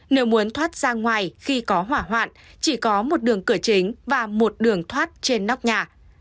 nếu muốn thoát ra ngoài khi có hỏa hoạn chỉ có một đường cửa chính và một đường thoát trên nóc nhà